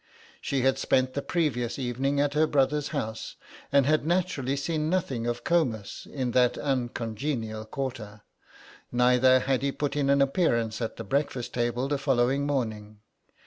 She had spent the previous evening at her brother's house, and had naturally seen nothing of Comus in that uncongenial quarter; neither had he put in an appearance at the breakfast table the following morning.